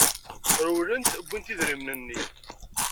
Rewlent, wwint idrimen-nni.